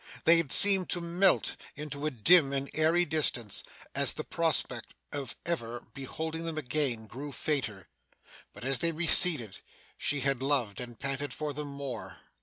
They had seemed to melt into a dim and airy distance, as the prospect of ever beholding them again grew fainter; but, as they receded, she had loved and panted for them more.